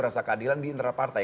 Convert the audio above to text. rasa keadilan di internal partai